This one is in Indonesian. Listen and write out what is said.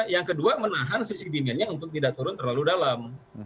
yang kedua menahan sisi demandnya untuk tidak turun terlalu dalam